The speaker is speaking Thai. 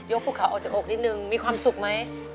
ภูเขาออกจากอกนิดนึงมีความสุขไหม